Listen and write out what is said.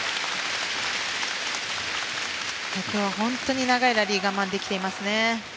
本当に長いラリーを我慢できていますね。